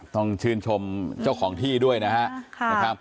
ต้องชื่นชมเจ้าของที่ด้วยนะครับ